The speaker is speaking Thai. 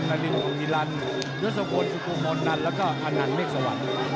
นารินภูมิลันยุศบนสุกุมนันแล้วก็อันนันเมฆสวรรค